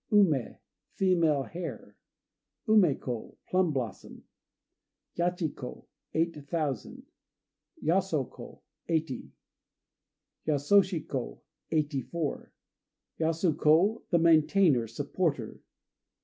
Umé "Female Hare." Umé ko "Plum Blossom." Yachi ko "Eight Thousand." Yaso ko "Eighty." Yasoshi ko "Eighty four." Yasu ko "The Maintainer," supporter.